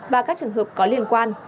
và các trường hợp có liên quan